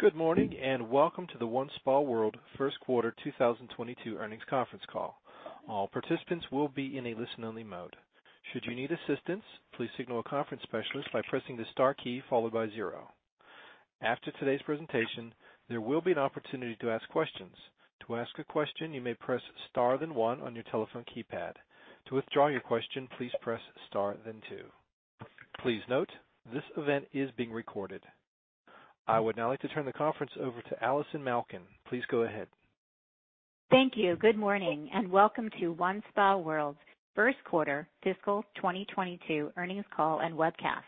Good morning, and welcome to the OneSpaWorld First Quarter 2022 Earnings Conference Call. All participants will be in a listen-only mode. Should you need assistance, please signal a conference specialist by pressing the star key followed by zero. After today's presentation, there will be an opportunity to ask questions. To ask a question, you may press star then one on your telephone keypad. To withdraw your question, please press star then two. Please note, this event is being recorded. I would now like to turn the conference over to Allison Malkin. Please go ahead. Thank you. Good morning, and welcome to OneSpaWorld First Quarter Fiscal 2022 Earnings Call and Webcast.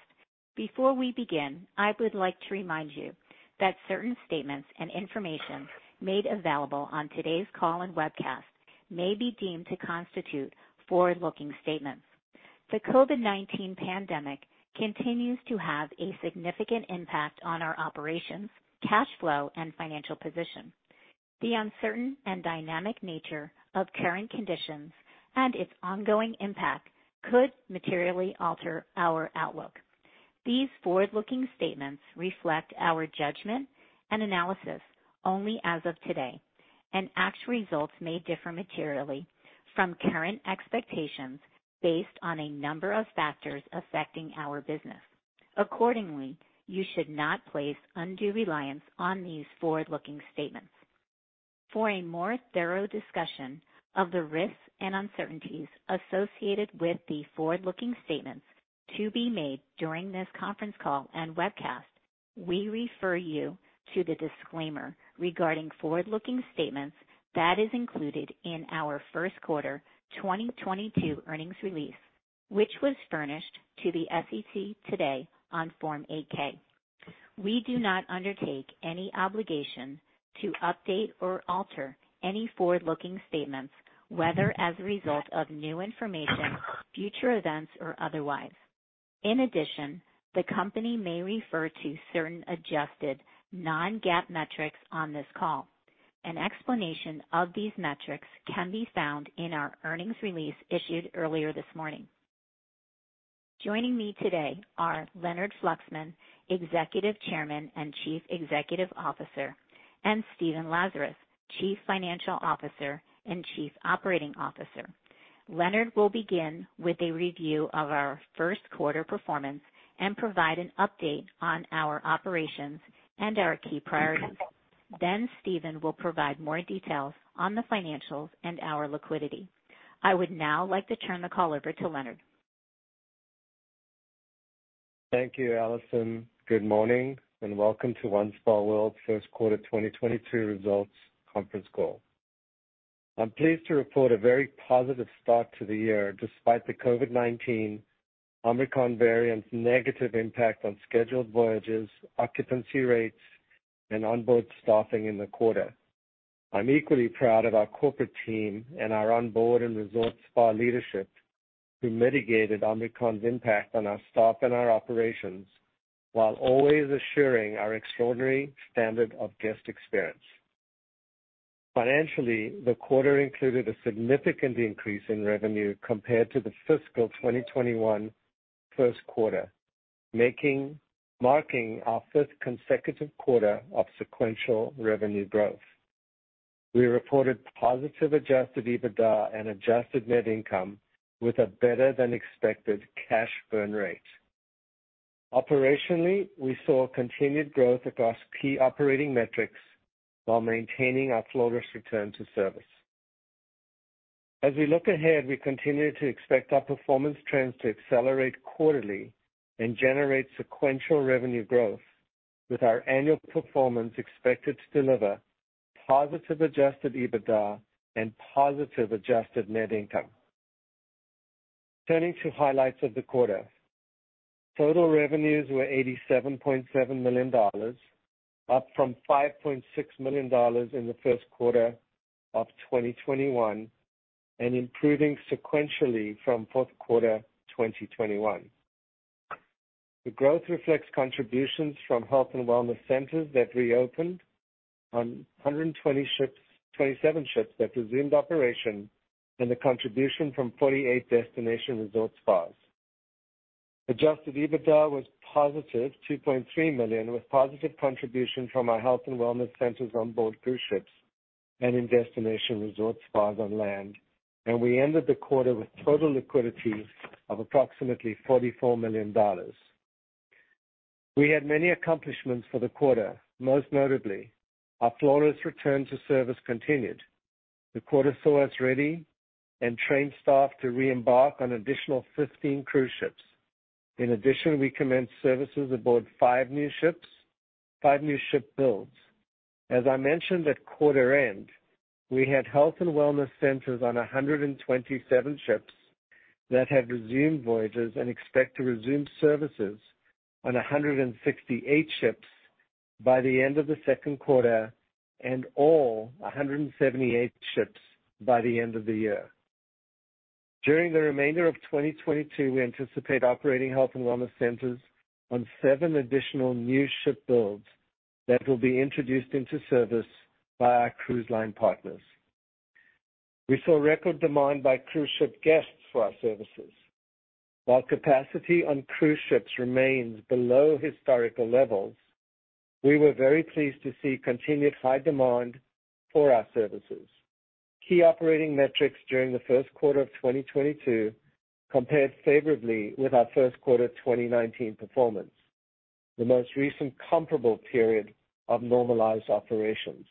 Before we begin, I would like to remind you that certain statements and information made available on today's call and webcast may be deemed to constitute forward-looking statements. The COVID-19 pandemic continues to have a significant impact on our operations, cash flow, and financial position. The uncertain and dynamic nature of current conditions and its ongoing impact could materially alter our outlook. These forward-looking statements reflect our judgment and analysis only as of today, and actual results may differ materially from current expectations based on a number of factors affecting our business. Accordingly, you should not place undue reliance on these forward-looking statements. For a more thorough discussion of the risks and uncertainties associated with the forward-looking statements to be made during this conference call and webcast, we refer you to the disclaimer regarding forward-looking statements that is included in our first quarter 2022 earnings release, which was furnished to the SEC today on Form 8-K. We do not undertake any obligation to update or alter any forward-looking statements, whether as a result of new information, future events, or otherwise. In addition, the company may refer to certain adjusted non-GAAP metrics on this call. An explanation of these metrics can be found in our earnings release issued earlier this morning. Joining me today are Leonard Fluxman, Executive Chairman and Chief Executive Officer, and Stephen Lazarus, Chief Financial Officer and Chief Operating Officer. Leonard will begin with a review of our first quarter performance and provide an update on our operations and our key priorities. Stephen will provide more details on the financials and our liquidity. I would now like to turn the call over to Leonard. Thank you, Allison. Good morning and welcome to OneSpaWorld First Quarter 2022 Results Conference Call. I'm pleased to report a very positive start to the year, despite the COVID-19 Omicron variant's negative impact on scheduled voyages, occupancy rates, and onboard staffing in the quarter. I'm equally proud of our corporate team and our onboard and resort spa leadership, who mitigated Omicron's impact on our staff and our operations while always assuring our extraordinary standard of guest experience. Financially, the quarter included a significant increase in revenue compared to the fiscal 2021 first quarter, marking our fifth consecutive quarter of sequential revenue growth. We reported positive Adjusted EBITDA and adjusted net income with a better-than-expected cash burn rate. Operationally, we saw continued growth across key operating metrics while maintaining our flawless return to service. As we look ahead, we continue to expect our performance trends to accelerate quarterly and generate sequential revenue growth, with our annual performance expected to deliver positive Adjusted EBITDA and positive adjusted net income. Turning to highlights of the quarter. Total revenues were $87.7 million, up from $5.6 million in the first quarter of 2021 and improving sequentially from fourth quarter 2021. The growth reflects contributions from health and wellness centers that reopened on 27 ships that resumed operation and the contribution from 48 destination resort spas. Adjusted EBITDA was positive $2.3 million, with positive contribution from our health and wellness centers on board cruise ships and in destination resort spas on land. We ended the quarter with total liquidity of approximately $44 million. We had many accomplishments for the quarter. Most notably, our flawless return to service continued. The quarter saw us ready and trained staff to re-embark on additional 15 cruise ships. In addition, we commenced services aboard five new ships, five new ship builds. As I mentioned at quarter end, we had health and wellness centers on 127 ships that have resumed voyages and expect to resume services on 168 ships by the end of the second quarter and all 178 ships by the end of the year. During the remainder of 2022, we anticipate operating health and wellness centers on seven additional new ship builds that will be introduced into service by our cruise line partners. We saw record demand by cruise ship guests for our services. While capacity on cruise ships remains below historical levels, we were very pleased to see continued high demand for our services. Key operating metrics during the first quarter of 2022 compared favorably with our first quarter of 2019 performance, the most recent comparable period of normalized operations.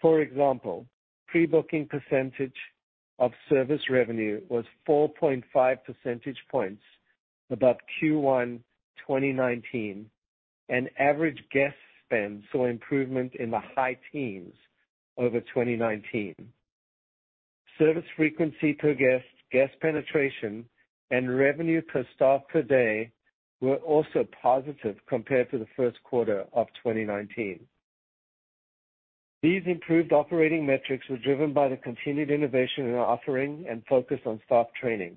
For example, pre-booking percentage of service revenue was 4.5 percentage points above Q1 2019, and average guest spend saw improvement in the high teens over 2019. Service frequency per guest penetration, and revenue per staff per day were also positive compared to the first quarter of 2019. These improved operating metrics were driven by the continued innovation in our offering and focus on staff training.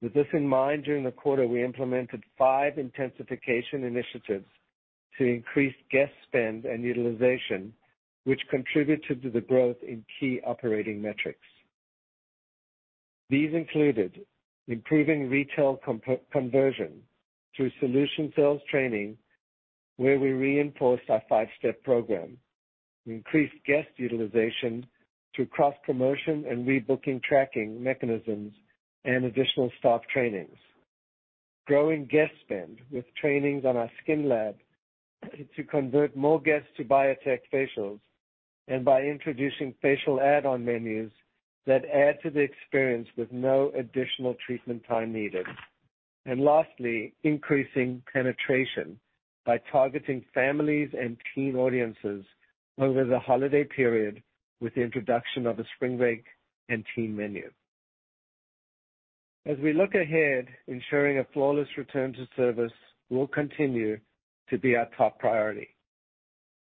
With this in mind, during the quarter, we implemented five intensification initiatives to increase guest spend and utilization, which contributed to the growth in key operating metrics. These included improving retail comp-conversion through solution sales training, where we reinforced our five-step program. Increased guest utilization through cross-promotion and rebooking tracking mechanisms and additional staff trainings. Growing guest spend with trainings on our SkinLab to convert more guests to BIOTEC facials, and by introducing facial add-on menus that add to the experience with no additional treatment time needed. Lastly, increasing penetration by targeting families and teen audiences over the holiday period with the introduction of a spring break and teen menu. As we look ahead, ensuring a flawless return to service will continue to be our top priority.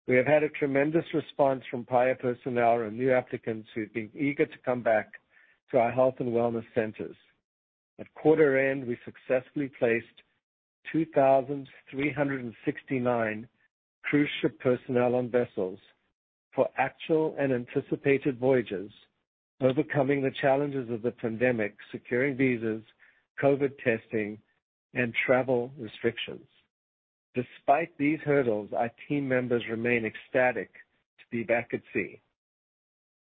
We have had a tremendous response from prior personnel and new applicants who have been eager to come back to our health and wellness centers. At quarter end, we successfully placed 2,369 cruise ship personnel on vessels for actual and anticipated voyages, overcoming the challenges of the pandemic, securing visas, COVID testing, and travel restrictions. Despite these hurdles, our team members remain ecstatic to be back at sea.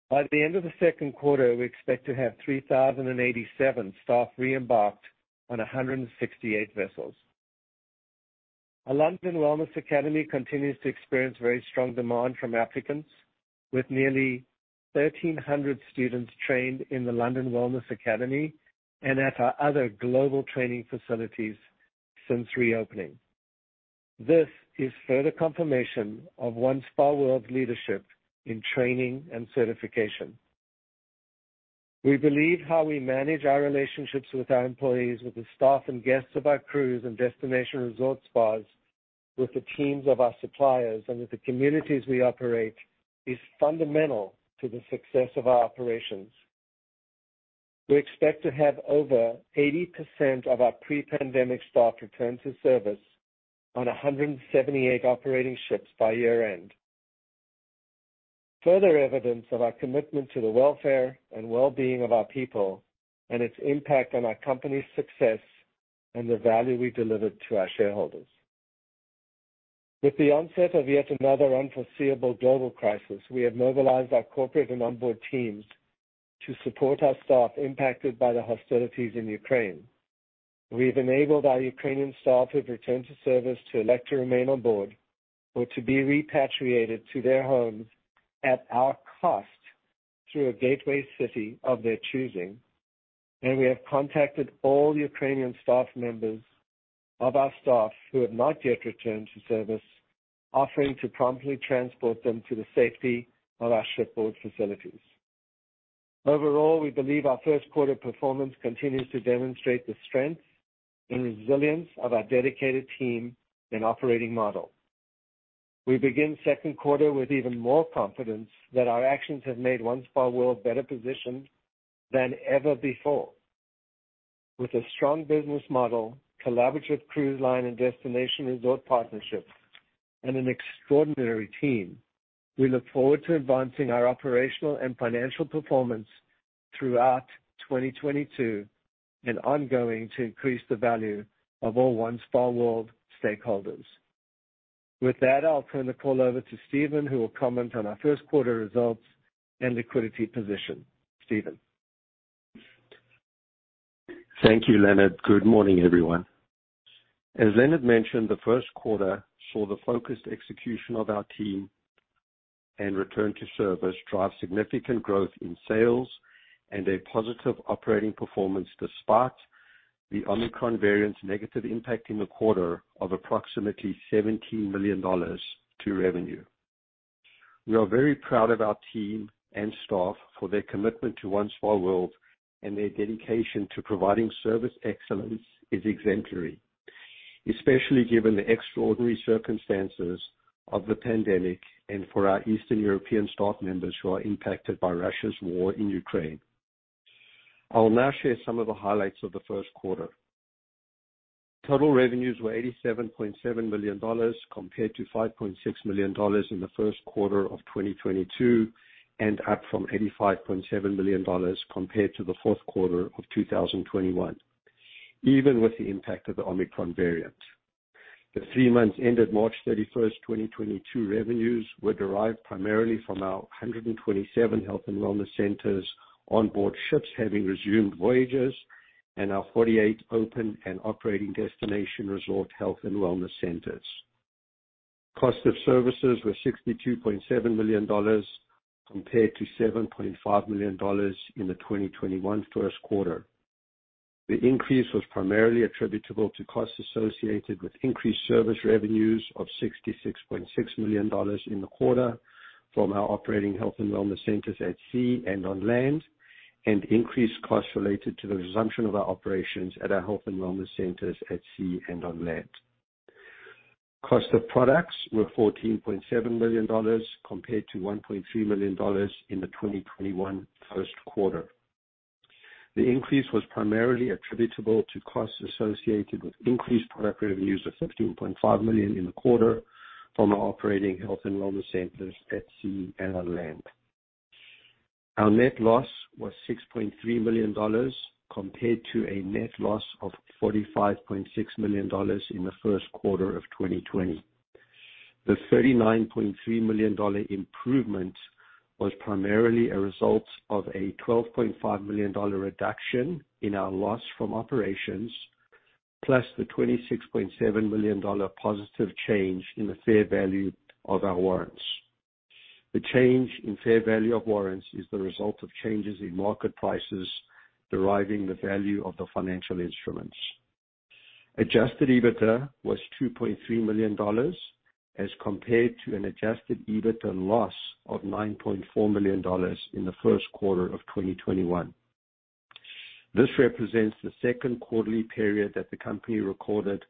By the end of the second quarter, we expect to have 3,087 staff reembarked on 168 vessels. Our London Wellness Academy continues to experience very strong demand from applicants, with nearly 1,300 students trained in the London Wellness Academy and at our other global training facilities since reopening. This is further confirmation of OneSpaWorld leadership in training and certification. We believe how we manage our relationships with our employees, with the staff and guests of our crews and destination resort spas, with the teams of our suppliers, and with the communities we operate, is fundamental to the success of our operations. We expect to have over 80% of our pre-pandemic staff return to service on 178 operating ships by year-end. Further evidence of our commitment to the welfare and well-being of our people and its impact on our company's success and the value we deliver to our shareholders. With the onset of yet another unforeseeable global crisis, we have mobilized our corporate and onboard teams to support our staff impacted by the hostilities in Ukraine. We have enabled our Ukrainian staff who have returned to service to elect to remain on board or to be repatriated to their homes at our cost through a gateway city of their choosing. We have contacted all Ukrainian staff members of our staff who have not yet returned to service, offering to promptly transport them to the safety of our shipboard facilities. Overall, we believe our first quarter performance continues to demonstrate the strength and resilience of our dedicated team and operating model. We begin second quarter with even more confidence that our actions have made OneSpaWorld better positioned than ever before. With a strong business model, collaborative cruise line and destination resort partnerships, and an extraordinary team, we look forward to advancing our operational and financial performance throughout 2022 and ongoing to increase the value of all OneSpaWorld stakeholders. With that, I'll turn the call over to Stephen, who will comment on our first quarter results and liquidity position. Stephen? Thank you, Leonard. Good morning, everyone. As Leonard mentioned, the first quarter saw the focused execution of our team and return to service drive significant growth in sales and a positive operating performance, despite the Omicron variant's negative impact in the quarter of approximately $17 million to revenue. We are very proud of our team and staff for their commitment to OneSpaWorld, and their dedication to providing service excellence is exemplary, especially given the extraordinary circumstances of the pandemic and for our Eastern European staff members who are impacted by Russia's war in Ukraine. I will now share some of the highlights of the first quarter. Total revenues were $87.7 million compared to $5.6 million in the first quarter of 2022, and up from $85.7 million compared to the fourth quarter of 2021, even with the impact of the Omicron variant. The three months ended March 31st, 2022 revenues were derived primarily from our 127 health and wellness centers on board ships having resumed voyages and our 48 open and operating destination resort health and wellness centers. Cost of services were $62.7 million compared to $7.5 million in the 2021 first quarter. The increase was primarily attributable to costs associated with increased service revenues of $66.6 million in the quarter from our operating health and wellness centers at sea and on land, and increased costs related to the resumption of our operations at our health and wellness centers at sea and on land. Cost of products were $14.7 million, compared to $1.3 million in the 2021 first quarter. The increase was primarily attributable to costs associated with increased product revenues of $15.5 million in the quarter from our operating health and wellness centers at sea and on land. Our net loss was $6.3 million compared to a net loss of $45.6 million in the first quarter of 2020. The $39.3 million improvement was primarily a result of a $12.5 million reduction in our loss from operations, plus the $26.7 million positive change in the fair value of our warrants. The change in fair value of warrants is the result of changes in market prices deriving the value of the financial instruments. Adjusted EBITDA was $2.3 million as compared to an Adjusted EBITDA loss of $9.4 million in the first quarter of 2021. This represents the second quarterly period that the company recorded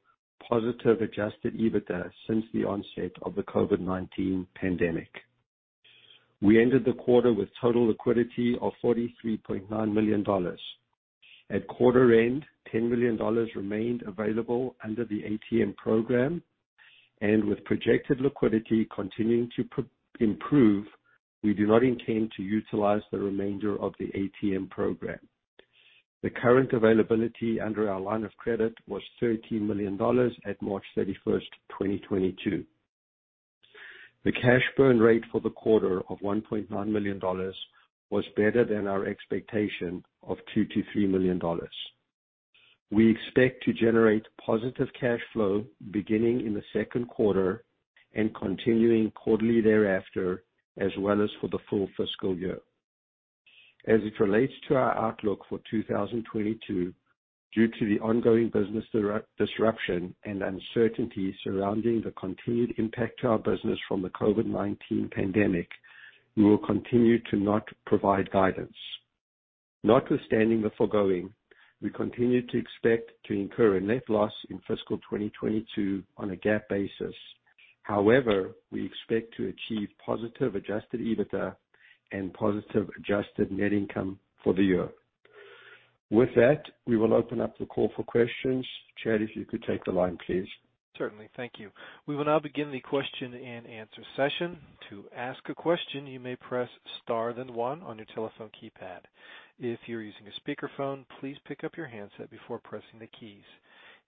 positive Adjusted EBITDA since the onset of the COVID-19 pandemic. We ended the quarter with total liquidity of $43.9 million. At quarter end, $10 million remained available under the ATM program, and with projected liquidity continuing to improve, we do not intend to utilize the remainder of the ATM program. The current availability under our line of credit was $13 million at March 31, 2022. The cash burn rate for the quarter of $1.9 million was better than our expectation of $2 million-$3 million. We expect to generate positive cash flow beginning in the second quarter and continuing quarterly thereafter, as well as for the full fiscal year. As it relates to our outlook for 2022, due to the ongoing business disruption and uncertainty surrounding the continued impact to our business from the COVID-19 pandemic, we will continue to not provide guidance. Notwithstanding the foregoing, we continue to expect to incur a net loss in fiscal 2022 on a GAAP basis. However, we expect to achieve positive Adjusted EBITDA and positive adjusted net income for the year. With that, we will open up the call for questions. Chad, if you could take the line, please. Certainly, Thank you. We will now begin the question and answer session. To ask a question, you may press star then one on your telephone keypad. If you're using a speakerphone, please pick up your handset before pressing the keys.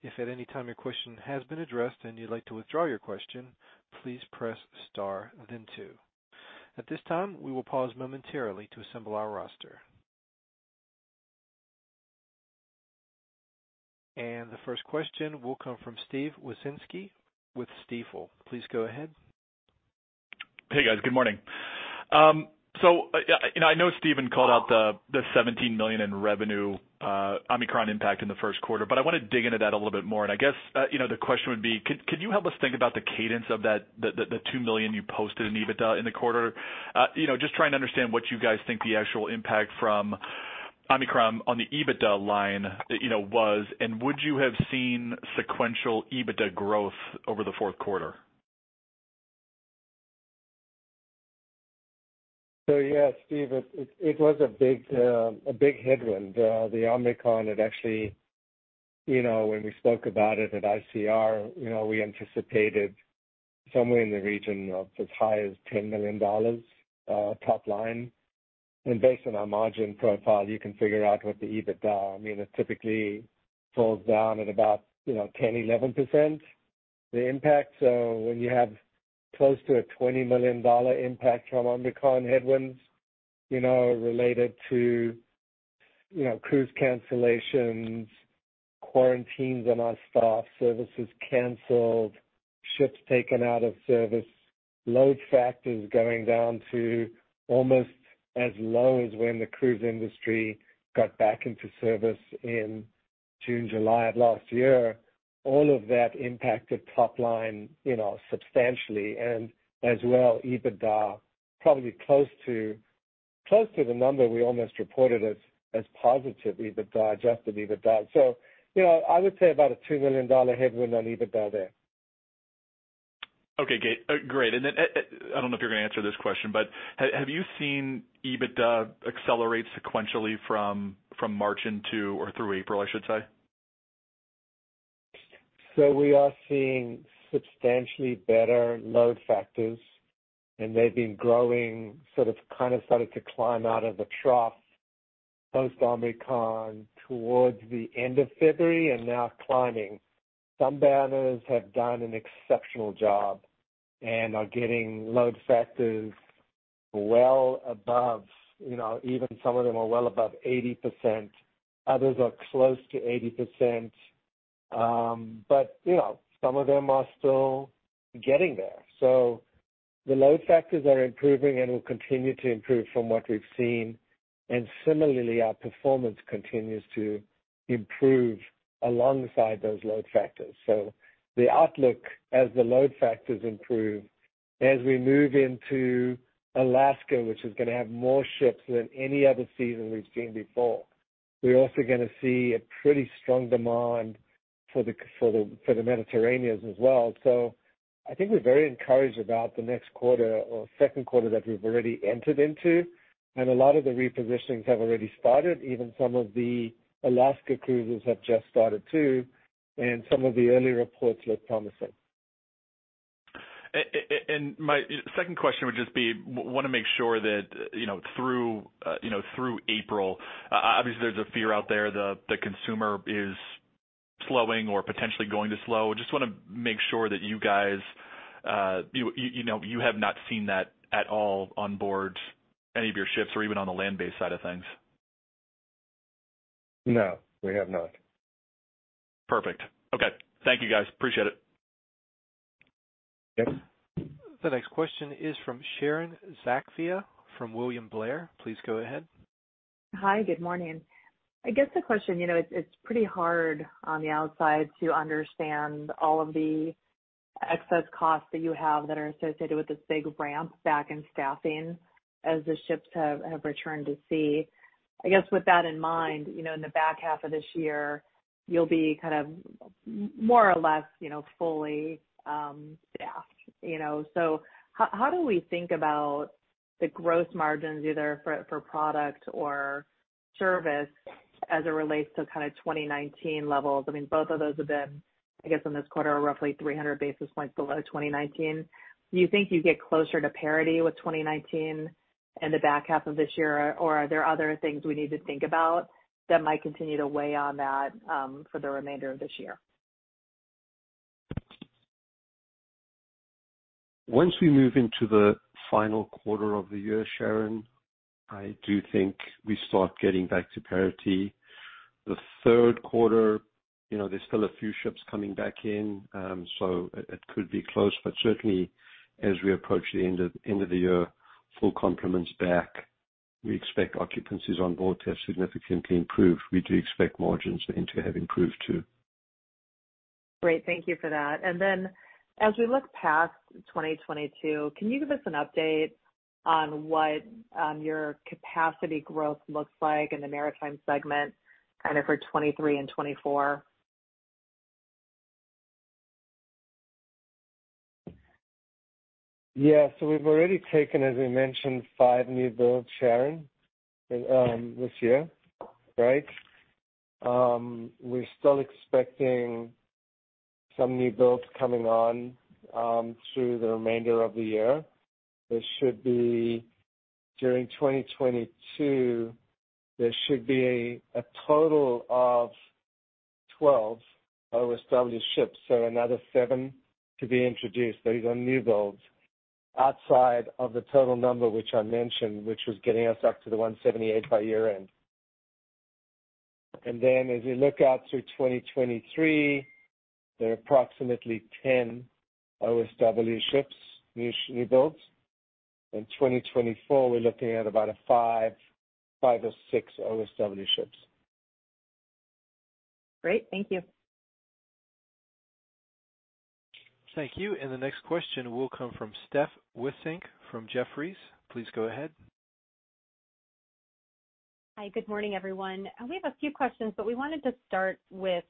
If at any time your question has been addressed and you'd like to withdraw your question, please press star then two. At this time, we will pause momentarily to assemble our roster. The first question will come from Steve Wieczynski with Stifel. Please go ahead. Hey, guys. Good morning. I know Stephen called out the $17 million in revenue Omicron impact in the first quarter, but I wanna dig into that a little bit more. I guess the question would be, could you help us think about the cadence of that, the $2 million you posted in EBITDA in the quarter? Just trying to understand what you guys think the actual impact from Omicron on the EBITDA line was, and would you have seen sequential EBITDA growth over the fourth quarter? Yeah, Steve, it was a big headwind. The Omicron had actually, you know, when we spoke about it at ICR, you know, we anticipated somewhere in the region of as high as $10 million top line. Based on our margin profile, you can figure out what the EBITDA, I mean, it typically falls down at about, you know, 10%-11%, the impact. When you have close to a $20 million impact from Omicron headwinds, you know, related to, you know, cruise cancellations, quarantines on our staff, services canceled, ships taken out of service, load factors going down to almost as low as when the cruise industry got back into service in June, July of last year. All of that impacted top line, you know, substantially. As well, EBITDA probably close to the number we almost reported as positive EBITDA, Adjusted EBITDA. You know, I would say about a $2 million headwind on EBITDA there. Okay, great. I don't know if you're gonna answer this question, but have you seen EBITDA accelerate sequentially from March into or through April, I should say? We are seeing substantially better load factors, and they've been growing, sort of kind of started to climb out of the trough post-Omicron towards the end of February and now climbing. Some banners have done an exceptional job and are getting load factors well above, you know, even some of them are well above 80%. Others are close to 80%. You know, some of them are still getting there. The load factors are improving and will continue to improve from what we've seen. Similarly, our performance continues to improve alongside those load factors. The outlook as the load factors improve as we move into Alaska, which is gonna have more ships than any other season we've seen before. We're also gonna see a pretty strong demand for the Mediterraneans as well. I think we're very encouraged about the next quarter or second quarter that we've already entered into, and a lot of the repositionings have already started. Even some of the Alaska cruises have just started too, and some of the early reports look promising. My second question would just be, wanna make sure that, you know, through, you know, through April, obviously there's a fear out there, the consumer is slowing or potentially going to slow. Just wanna make sure that you guys, you know, you have not seen that at all on board any of your ships or even on the land-based side of things. No, we have not. Perfect. Okay. Thank you, guys. Appreciate it. Yes. The next question is from Sharon Zackfia from William Blair. Please go ahead. Hi. Good morning. I guess the question, you know, it's pretty hard on the outside to understand all of the excess costs that you have that are associated with this big ramp back in staffing as the ships have returned to sea. I guess with that in mind, you know, in the back half of this year, you'll be kind of more or less, you know, fully staffed, you know. How do we think about the gross margins either for product or service as it relates to kinda 2019 levels? I mean, both of those have been, I guess, in this quarter, roughly 300 basis points below 2019. Do you think you get closer to parity with 2019 in the back half of this year? Are there other things we need to think about that might continue to weigh on that, for the remainder of this year? Once we move into the final quarter of the year, Sharon, I do think we start getting back to parity. The third quarter, you know, there's still a few ships coming back in, so it could be close. Certainly, as we approach the end of the year, full complements back, we expect occupancies on board to have significantly improved. We do expect margins then to have improved too. Great. Thank you for that. As we look past 2022, can you give us an update on what your capacity growth looks like in the maritime segment, kind of for 2023 and 2024? Yeah. We've already taken, as we mentioned, five new builds, Sharon, this year, right? We're still expecting some new builds coming on through the remainder of the year. There should be. During 2022, there should be a total of 12 OSW ships, so another seven to be introduced. Those are new builds outside of the total number which I mentioned, which was getting us up to the 178 by year-end. As we look out through 2023, there are approximately 10 OSW ships, new builds. In 2024, we're looking at about five or six OSW ships. Great. Thank you. Thank you. The next question will come from Steph Wissink from Jefferies. Please go ahead. Hi. Good morning, everyone. We have a few questions, but we wanted to start with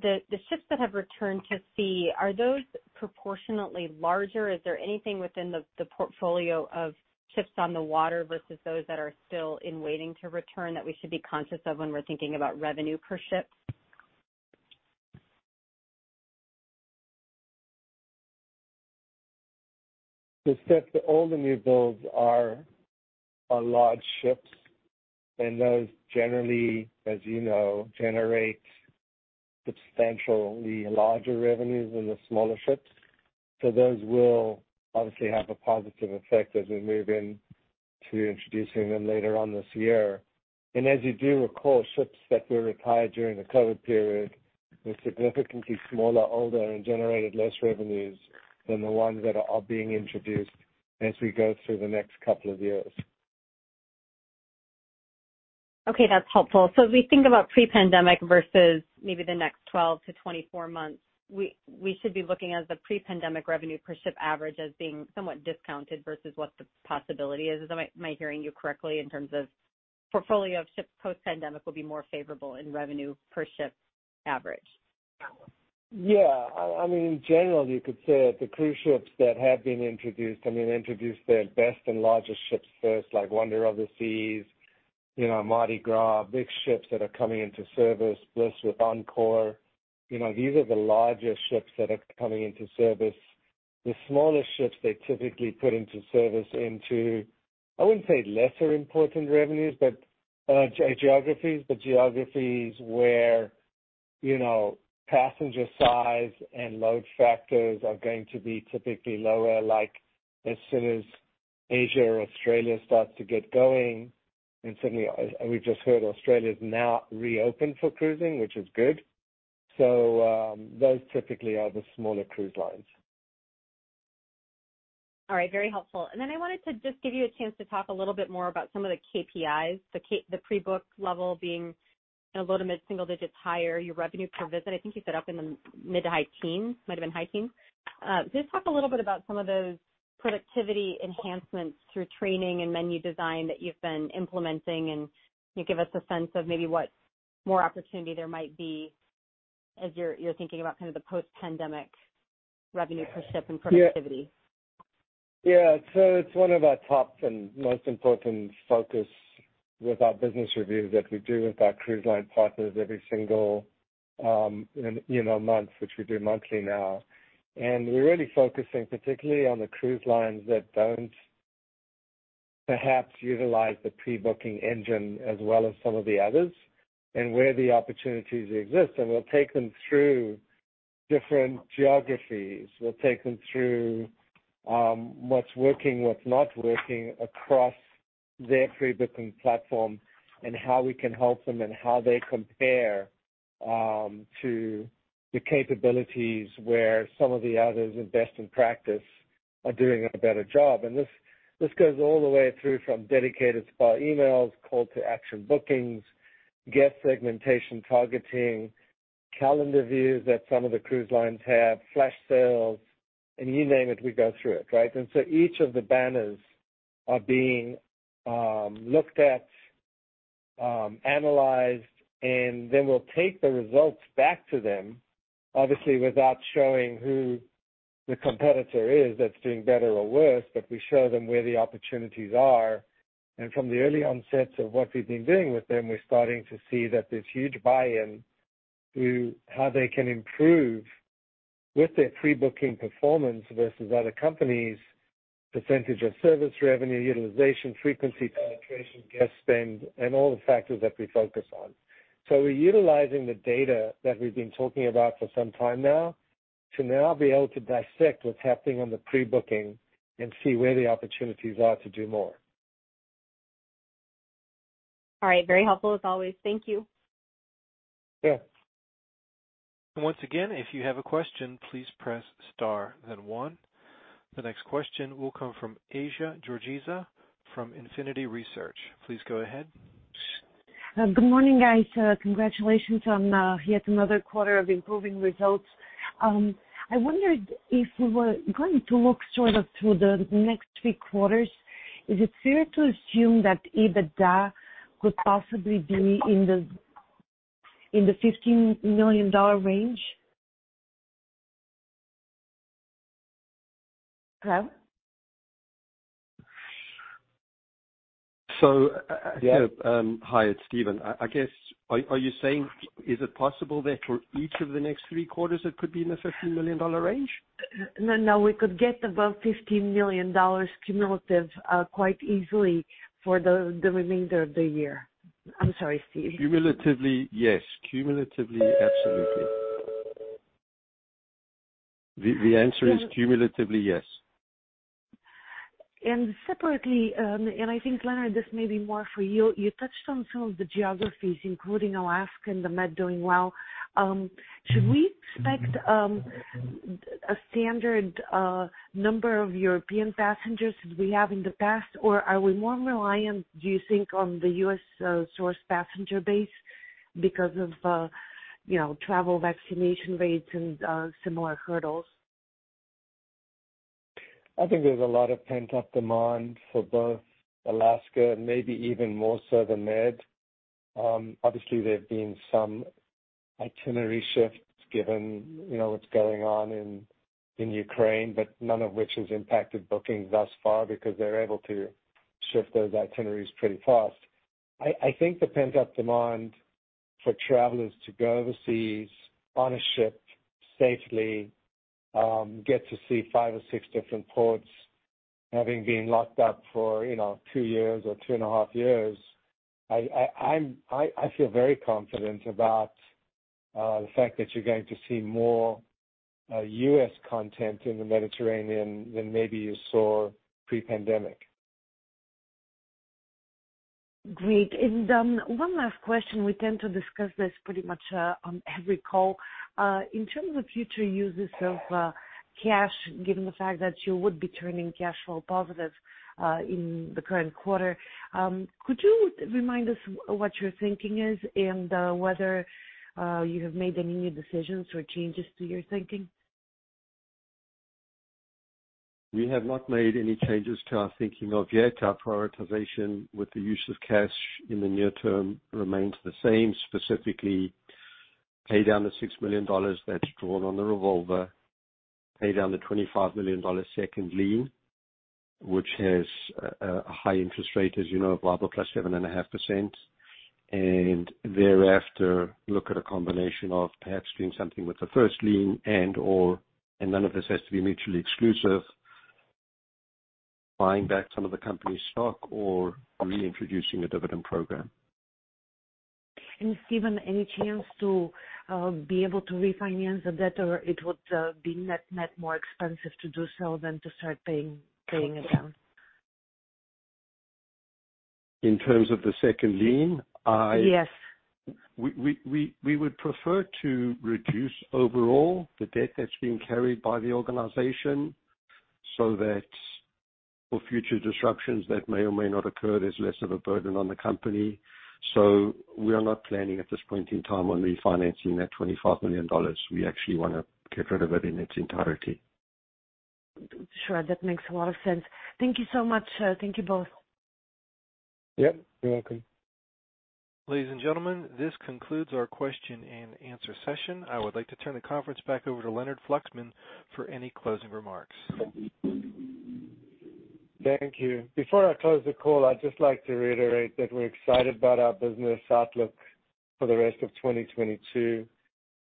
the ships that have returned to sea, are those proportionately larger? Is there anything within the portfolio of ships on the water versus those that are still waiting to return that we should be conscious of when we're thinking about revenue per ship? Steph, all the new builds are large ships, and those generally, as you know, generate substantially larger revenues than the smaller ships. Those will obviously have a positive effect as we move into introducing them later on this year. As you do recall, ships that were retired during the COVID period were significantly smaller, older, and generated less revenues than the ones that are being introduced as we go through the next couple of years. Okay, that's helpful. As we think about pre-pandemic versus maybe the next 12-24 months, we should be looking at the pre-pandemic revenue per ship average as being somewhat discounted versus what the possibility is. Am I hearing you correctly in terms of portfolio of ships post-pandemic will be more favorable in revenue per ship average? Yeah, I mean, in general, you could say that the cruise ships that have been introduced their best and largest ships first, like Wonder of the Seas, you know, Mardi Gras, big ships that are coming into service. Bliss with Encore. You know, these are the largest ships that are coming into service. The smallest ships they typically put into service into, I wouldn't say lesser important revenues, but geographies where, you know, passenger size and load factors are going to be typically lower, like as soon as Asia or Australia starts to get going. Certainly, as we've just heard, Australia is now reopened for cruising, which is good. Those typically are the smaller cruise lines. All right. Very helpful. I wanted to just give you a chance to talk a little bit more about some of the KPIs, the pre-book level being low to mid single digits higher, your revenue per visit, I think you said up in the mid to high teens, might have been high teens. Just talk a little bit about some of those productivity enhancements through training and menu design that you've been implementing and, you know, give us a sense of maybe what more opportunity there might be as you're thinking about kind of the post-pandemic revenue per ship and productivity. Yeah. It's one of our top and most important focus with our business reviews that we do with our cruise line partners every single, you know, month, which we do monthly now. We're really focusing particularly on the cruise lines that don't perhaps utilize the pre-booking engine as well as some of the others and where the opportunities exist. We'll take them through different geographies. We'll take them through what's working, what's not working across their pre-booking platform and how we can help them and how they compare to the capabilities where some of the others invest in practice are doing a better job. This goes all the way through from dedicated spa emails, call to action bookings, guest segmentation targeting, calendar views that some of the cruise lines have, flash sales, and you name it, we go through it, right? Each of the banners are being looked at, analyzed, and then we'll take the results back to them, obviously without showing who the competitor is that's doing better or worse, but we show them where the opportunities are. From the early insights of what we've been doing with them, we're starting to see that there's huge buy-in to how they can improve with their pre-booking performance versus other companies, percentage of service revenue, utilization, frequency, penetration, guest spend, and all the factors that we focus on. We're utilizing the data that we've been talking about for some time now to now be able to dissect what's happening on the pre-booking and see where the opportunities are to do more. All right. Very helpful as always. Thank you. Yeah. Once again, if you have a question, please press star then one. The next question will come from Assia Georgieva from Infinity Research. Please go ahead. Good morning, guys. Congratulations on yet another quarter of improving results. I wondered if we were going to look sort of through the next three quarters, is it fair to assume that EBITDA could possibly be in the $15 million range? Hello? So, uh- Yeah. Hi, it's Stephen. I guess, are you saying is it possible that for each of the next three quarters, it could be in the $15 million range? No, no. We could get above $15 million cumulative quite easily for the remainder of the year. I'm sorry, Steve. Cumulatively, yes. Cumulatively, absolutely. The answer is cumulatively, yes. Separately, and I think, Leonard, this may be more for you. You touched on some of the geographies, including Alaska and the Med doing well. Mm-hmm. Should we expect a standard number of European passengers as we have in the past? Or are we more reliant, do you think, on the U.S. source passenger base because of, you know, travel vaccination rates and similar hurdles? I think there's a lot of pent-up demand for both Alaska and maybe even more so the Med. Obviously, there have been some itinerary shifts given, you know, what's going on in Ukraine, but none of which has impacted bookings thus far because they're able to shift those itineraries pretty fast. I think the pent-up demand for travelers to go overseas on a ship safely, get to see five or six different ports, having been locked up for, you know, two years or two and a half years, I feel very confident about the fact that you're going to see more U.S. content in the Mediterranean than maybe you saw pre-pandemic. Great. One last question. We tend to discuss this pretty much on every call. In terms of future uses of cash, given the fact that you would be turning cash flow positive in the current quarter, could you remind us what your thinking is and whether you have made any new decisions or changes to your thinking? We have not made any changes to our thinking yet. Our prioritization with the use of cash in the near term remains the same. Specifically, pay down the $6 million that's drawn on the revolver, pay down the $25 million second lien, which has a high interest rate, as you know, LIBOR +7.5%, and thereafter, look at a combination of perhaps doing something with the first lien and/or, and none of this has to be mutually exclusive, buying back some of the company's stock or reintroducing a dividend program. Stephen, any chance to be able to refinance the debt, or it would be net more expensive to do so than to start paying it down? In terms of the second lien? Yes. We would prefer to reduce overall the debt that's being carried by the organization so that for future disruptions that may or may not occur, there's less of a burden on the company. We are not planning at this point in time on refinancing that $25 million. We actually wanna get rid of it in its entirety. Sure. That makes a lot of sense. Thank you so much. Thank you both. Yeah. You're welcome. Ladies and gentlemen, this concludes our question-and-answer session. I would like to turn the conference back over to Leonard Fluxman for any closing remarks. Thank you. Before I close the call, I'd just like to reiterate that we're excited about our business outlook for the rest of 2022.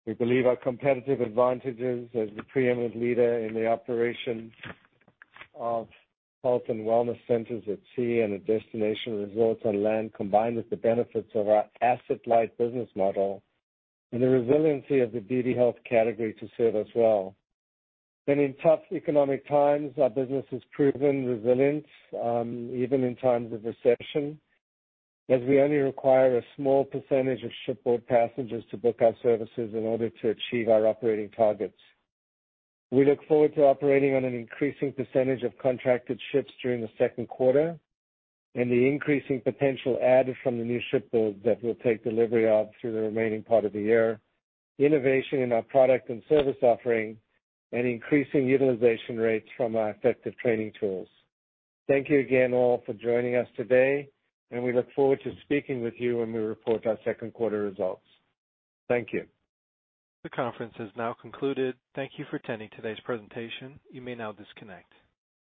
We believe our competitive advantages as the preeminent leader in the operations of health and wellness centers at sea and the destination resorts on land, combined with the benefits of our asset-light business model and the resiliency of the beauty health category to serve us well. In tough economic times, our business has proven resilient, even in times of recession, as we only require a small percentage of shipboard passengers to book our services in order to achieve our operating targets. We look forward to operating on an increasing percentage of contracted ships during the second quarter and the increasing potential added from the new ship builds that we'll take delivery of through the remaining part of the year. Innovation in our product and service offering and increasing utilization rates from our effective training tools. Thank you again all for joining us today, and we look forward to speaking with you when we report our second quarter results. Thank you. The conference has now concluded. Thank you for attending today's presentation. You may now disconnect.